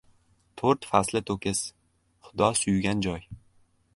To‘rt fasli to‘kis, Xudo suygan joy